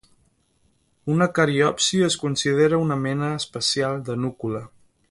Una cariopsi es considera una mena especial de núcula.